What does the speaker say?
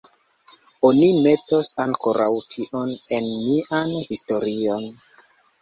Oni metos ankoraŭ tion en mian historion.